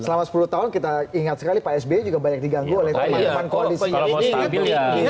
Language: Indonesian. ini sih cuma selama sepuluh tahun kita ingat sekali psb juga banyak diganggu oleh pahlawan kondisi